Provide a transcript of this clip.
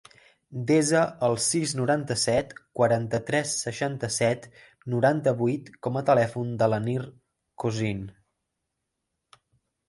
Desa el sis, noranta-set, quaranta-tres, seixanta-set, noranta-vuit com a telèfon de l'Anir Cosin.